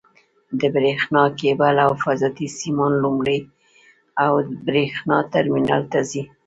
د برېښنا کېبل او حفاظتي سیمان لومړی د برېښنا ټرمینل ته ځي.